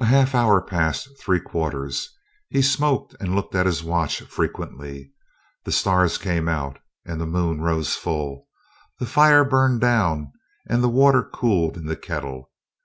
A half hour passed three quarters. He smoked and looked at his watch frequently. The stars came out and the moon rose full. The fire burned down and the water cooled in the kettle.